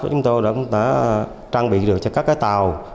chúng tôi đã trang bị được cho các tàu